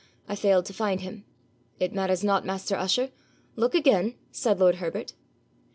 'I failed to find him.' 'It matters not, master usher. Look again,' said lord Herbert.